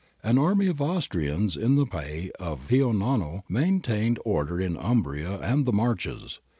An army of Austrians in the pay of Pio Nono maintained order in Umbria and the Marches.